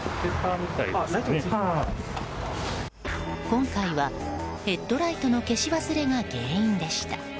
今回はヘッドライトの消し忘れが原因でした。